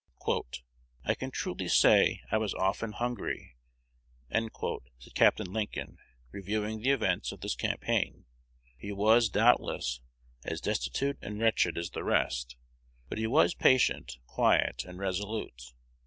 "I can truly say I was often hungry," said Capt. Lincoln, reviewing the events of this campaign. He was, doubtless, as destitute and wretched as the rest, but he was patient, quiet, and resolute.